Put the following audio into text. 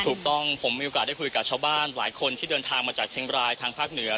ถูกต้องผมมีโอกาสได้คุยกับชาวบ้านหลายคนที่เดินทางมาจากเชียงบรายทางภาคเหนือ